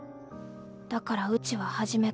だからうちは初めから一人。